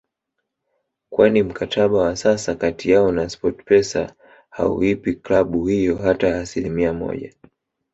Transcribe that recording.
kwani mkataba wa sasa kati yao na Sportpesa hauipi klabu hiyo hata asilimia moja